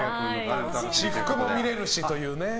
私服も見れるしというね。